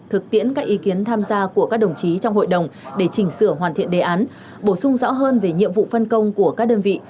thực tiễn các ý kiến tham gia của các đồng chí trong hội đồng để chỉnh sửa hoàn thiện đề án bổ sung rõ hơn về nhiệm vụ phân công của các đơn vị